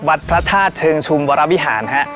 พระธาตุเชิงชุมวรวิหารฮะ